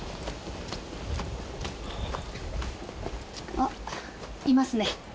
あっいますね。